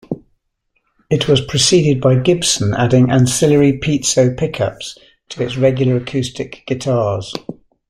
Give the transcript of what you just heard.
It was preceded by Gibson adding ancillary piezo pickups to its regular acoustic guitars.